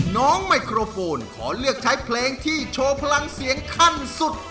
ไมโครโฟนขอเลือกใช้เพลงที่โชว์พลังเสียงขั้นสุด